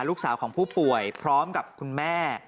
ลูกสาวของผู้ป่วยพร้อมกับคุณแม่